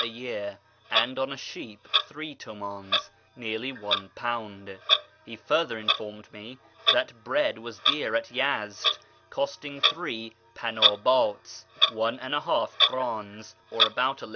a year, and on a sheep three tumdns (nearly £1), He further informetl nie tliat bread was dear at Yezd, costing three pandhdts (one and a lialf krdns, or about lid.